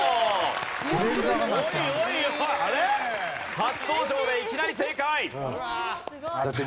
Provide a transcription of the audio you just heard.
初登場でいきなり正解！